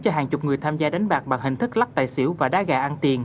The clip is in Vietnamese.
cho hàng chục người tham gia đánh bạc bằng hình thức lắc tài xỉu và đá gà ăn tiền